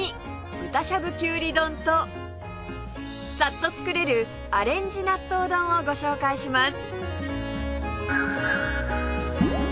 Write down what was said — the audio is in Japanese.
豚しゃぶきゅうり丼とさっと作れるアレンジ納豆丼をご紹介します